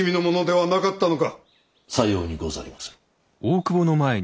さようにござりまする。